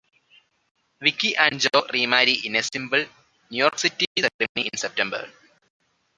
Viki and Joe remarry in a simple, New York City ceremony in September.